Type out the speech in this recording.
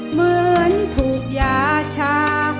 เหมือนถูกยาชา